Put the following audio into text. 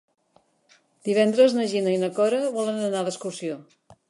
Divendres na Gina i na Cora volen anar d'excursió.